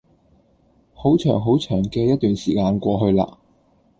好長好長嘅一段時間過去嘞